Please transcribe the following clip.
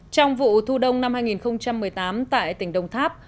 trong vụ thu đông năm hai nghìn một mươi tám tại tỉnh đồng tháp